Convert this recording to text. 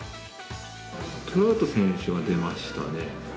トラウト選手が出ましたね。